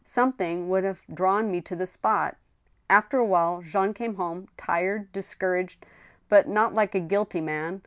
Something would have drawn me to the spot ! After a while Jean came home, tired, discouraged, but not like a guilty man.